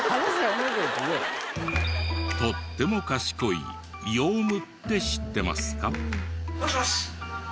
とっても賢いヨウムって知ってますか？